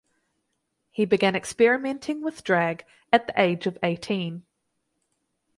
He began experimenting with drag at the age of eighteen.